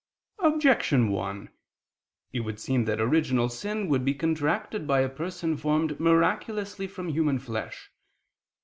Objection 1: It would seem that original sin would be contracted by a person formed miraculously from human flesh.